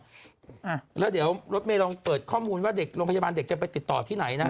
อ่าแล้วเดี๋ยวรถเมย์ลองเปิดข้อมูลว่าเด็กโรงพยาบาลเด็กจะไปติดต่อที่ไหนนะฮะ